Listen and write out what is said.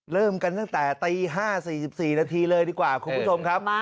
เริ่มกันตั้งแต่ตี๕๔๔นาทีเลยดีกว่าคุณผู้ชมครับ